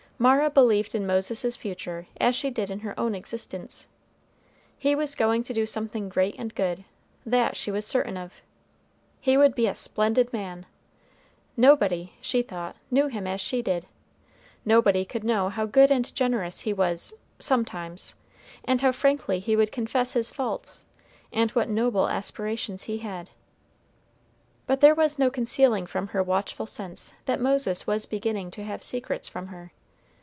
Mara believed in Moses's future as she did in her own existence. He was going to do something great and good, that she was certain of. He would be a splendid man! Nobody, she thought, knew him as she did; nobody could know how good and generous he was sometimes, and how frankly he would confess his faults, and what noble aspirations he had! But there was no concealing from her watchful sense that Moses was beginning to have secrets from her.